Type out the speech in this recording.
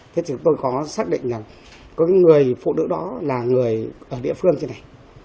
thế thì tôi có xác định rằng cái người phụ nữ đó là người ở địa phương trên này